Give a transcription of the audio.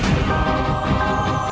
itu sudah benar kedatuhan dgn apa